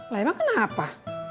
lah emang kenapa